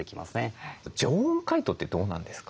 常温解凍ってどうなんですか？